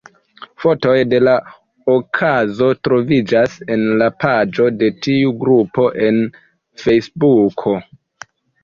Fotoj de la okazo troviĝas en la paĝo de tiu grupo en Fejsbuko.